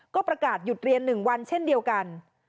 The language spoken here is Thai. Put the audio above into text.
ก็ประกาศหยุดเรียน๑วันเช่นเดียวกัน